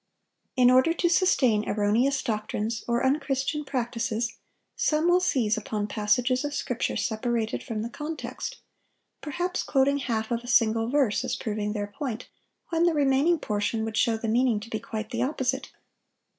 In order to sustain erroneous doctrines or unchristian practices, some will seize upon passages of Scripture separated from the context, perhaps quoting half of a single verse as proving their point, when the remaining portion would show the meaning to be quite the opposite.